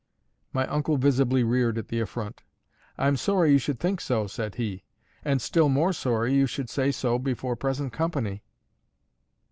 My uncle visibly reared at the affront. "I'm sorry you should think so," said he, "and still more sorry you should say so before present company."